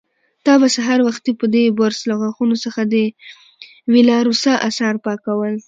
تا به سهار وختي په دې برس له غاښونو څخه د وېلاروسا آثار پاکول.